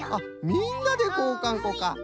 みんなでこうかんこか。